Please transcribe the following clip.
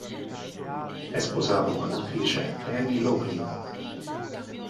È sposato con l'attrice Amy Laughlin.